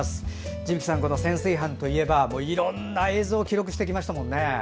地曳さん、潜水班といえばいろんな映像を記録してきましたもんね。